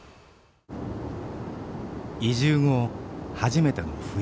移住後初めての冬。